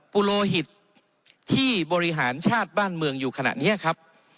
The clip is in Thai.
ุโลหิตที่บริหารชาติบ้านเมืองอยู่ขณะนี้ครับ